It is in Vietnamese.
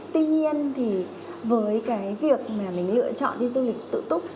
tuy nhiên thì với cái việc mà mình lựa chọn đi du lịch tự túc